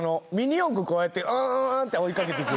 ミニ四駆、こうやってうんうんって追いかけていく。